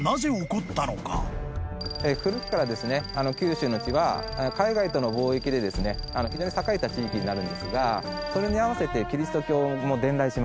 古くから九州の地は海外との貿易で非常に栄えた地域になるんですがそれに合わせてキリスト教も伝来します。